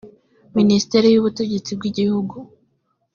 minisiteri y ubutegesti bw igihugu